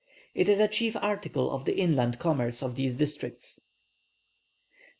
It is a chief article of the inland commerce of these districts."